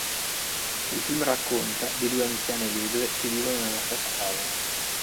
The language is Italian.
Il film racconta di due anziane vedove che vivono nella stessa casa.